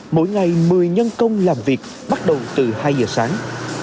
mỗi ngày một mươi nhân công làm việc bắt đầu từ hai giờ sáng